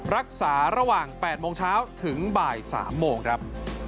รักษาระหว่าง๘โมงเช้าถึงบ่าย๓โมงครับ